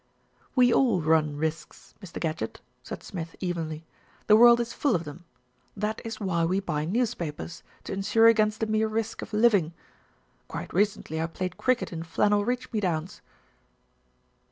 "We all run risks, Mr. Gadgett," said Smith evenly, "the world is full of them. That is why we buy news papers, to insure against the mere risk of living. Quite recently I played cricket in flannel reach me downs."